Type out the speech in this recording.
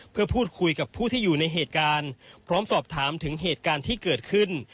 เพื่อพูดคุยกับผู้ที่อยู่ในโดยและสอบถามถึงเหตุการณ์ที่กอดขึ้น